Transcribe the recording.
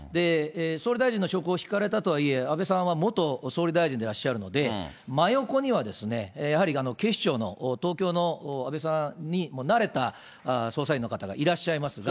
総理大臣の職をひかれたとはいえ、安倍さんは元総理大臣でらっしゃるので、真横には、やはり警視庁の、東京の安倍さんに慣れた捜査員の方がいらっしゃいますが。